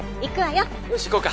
よし行こうか。